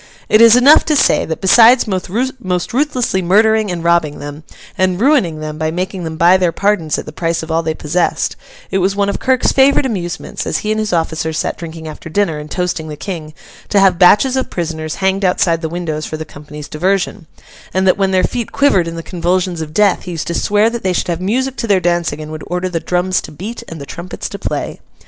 It is enough to say, that besides most ruthlessly murdering and robbing them, and ruining them by making them buy their pardons at the price of all they possessed, it was one of Kirk's favourite amusements, as he and his officers sat drinking after dinner, and toasting the King, to have batches of prisoners hanged outside the windows for the company's diversion; and that when their feet quivered in the convulsions of death, he used to swear that they should have music to their dancing, and would order the drums to beat and the trumpets to play.